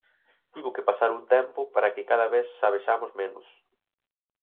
Tivo que pasar un tempo para que cada vez a vexamos menos.